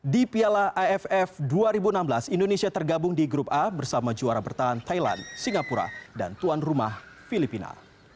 di piala aff dua ribu enam belas indonesia tergabung di grup a bersama juara bertahan thailand singapura dan tuan rumah filipina